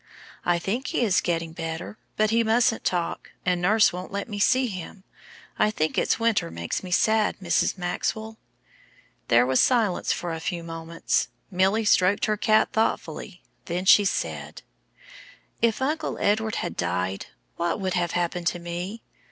"I think he is getting better, but he mustn't talk, and nurse won't let me see him. I think it's winter makes me sad, Mrs. Maxwell." There was silence for a few moments. Milly stroked her cat thoughtfully, then she said, "If Uncle Edward had died, what would have happened to me?